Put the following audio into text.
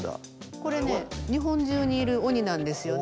これね日本中にいる鬼なんですよね。